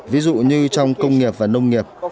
ví dụ như trong công nghiệp và nông nghiệp